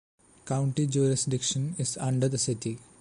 County jurisdiction is under the city.